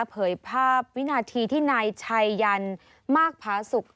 เผยภาพวินาทีที่นายชัยยันต์มากพระศุกร์